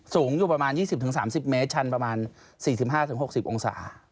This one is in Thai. สูงอยู่ประมาณ๒๐๓๐เมตรชันประมาณ๔๕๖๐องศา